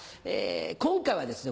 今回はですね